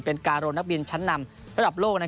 การนักบินชั้นนำระดับโลก